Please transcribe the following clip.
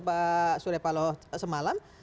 pak suryapalo semalam